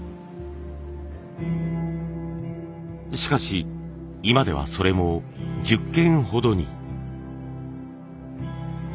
しかし今ではそれも１０軒ほどに。